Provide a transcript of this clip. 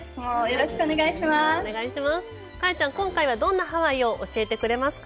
よろしくお願いします。